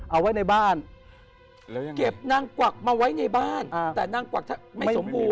เอาไว้ในบ้านเก็บนางกวักมาไว้ในบ้านแต่นางกวักไม่สมบูรณ